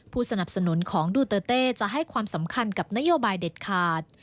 สนับสนุนของดูเตอร์เต้จะให้ความสำคัญกับนโยบายเด็ดขาด